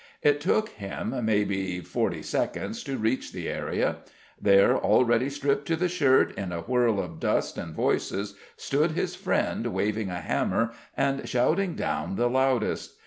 It took him, maybe, forty seconds to reach the area. There already, stripped to the shirt, in a whirl of dust and voices, stood his friend waving a hammer and shouting down the loudest.